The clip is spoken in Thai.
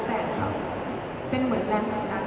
แต่เป็นเหมือนแรงของนั้น